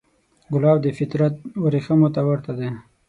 ګلاب د فطرت وریښمو ته ورته دی.